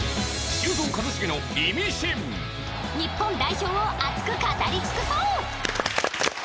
日本代表を熱く語り尽くそう！